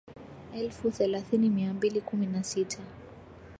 elfu thelathini mia mbili kumi na sita